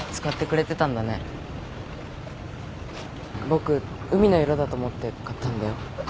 僕海の色だと思って買ったんだよ。